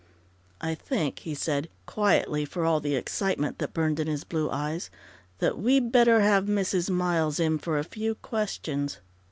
"I think," he said quietly, for all the excitement that burned in his blue eyes, "that we'd better have Mrs. Miles in for a few questions."